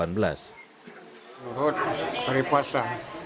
menurut hari puasa